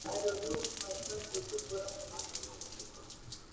• لكه برېښنا.